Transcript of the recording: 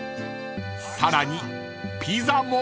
［さらにピザも］